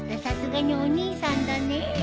さすがにお兄さんだね。